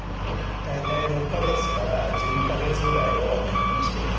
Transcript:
大体６か月から１２か月ぐらいをめどにしています。